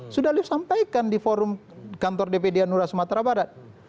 sudah lift sampaikan di forum kantor dpd hanura sumatera barat